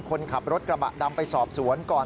คนขับรถกระบะดำไปสอบสวนก่อน